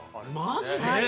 マジで？